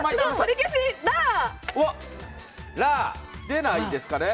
出ないですかね。